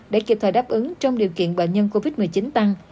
để kịp thời đáp ứng trong điều kiện bệnh nhân covid một mươi chín tăng